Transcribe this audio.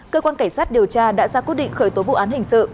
cơ quan cảnh sát điều tra đã ra quyết định khởi tố vụ án hình sự